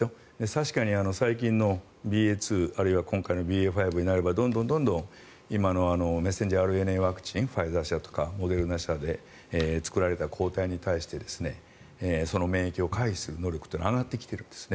確かに最近のＢＡ．２あるいは今回のＢＡ．５になればどんどんどんどん今のメッセンジャーＲＮＡワクチンファイザー社とかモデルナ社で作られた抗体に対してその免疫を回避する能力というのは上がってきているんです。